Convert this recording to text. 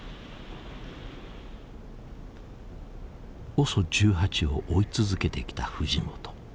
ＯＳＯ１８を追い続けてきた藤本。